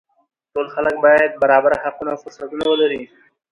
ټول خلک باید برابر حقونه او فرصتونه ولري